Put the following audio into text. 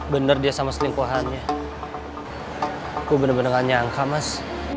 bener dia sama selingkuhannya aku bener bener gak nyangka mas